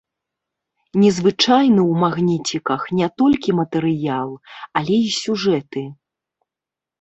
Незвычайны ў магніціках не толькі матэрыял, але і сюжэты.